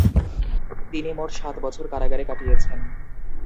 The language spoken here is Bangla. তিনি মোট সাত বছর কারাগারে কাটিয়েছেন।